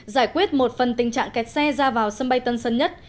giải quyết một phần tình trạng kẹt xe ra vào sân bay tân sơn nhất